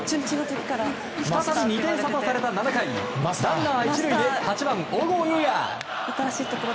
再び２点差とされた７回ランナー１塁で８番、小郷裕哉。